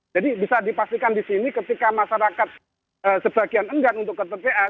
jadi bisa dipastikan di sini ketika masyarakat sebagian enggak untuk ke tps